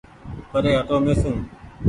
پري هٽو ميسون